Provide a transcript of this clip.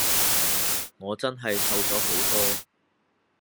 我真係瘦咗好多！